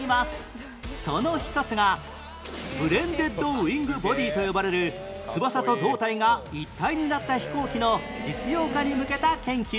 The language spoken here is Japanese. その一つがブレンデッドウィングボディと呼ばれる翼と胴体が一体になった飛行機の実用化に向けた研究